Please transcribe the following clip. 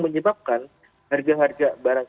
menyebabkan harga harga barang